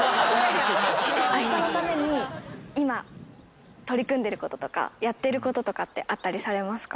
明日のために、今取り組んでることとかやっていることとかあったりされますか。